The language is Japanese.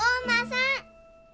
ん？